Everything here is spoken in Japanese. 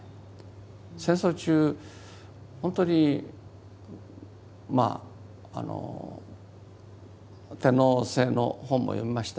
戦争中本当にまあ天皇制の本も読みました。